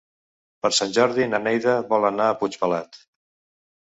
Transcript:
Per Sant Jordi na Neida vol anar a Puigpelat.